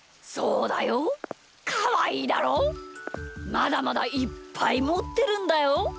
まだまだいっぱいもってるんだよ。